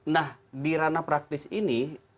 nah di ranah praktis ini